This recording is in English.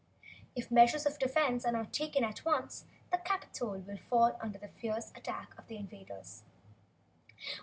"If measures of defense are not taken at once, the capitol will fall under the fierce attack of the invaders!"